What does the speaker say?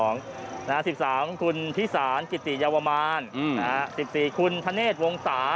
นะฮะ๑๓คุณพิษานกิติเยาวมาร๑๔คุณธเนศวงศา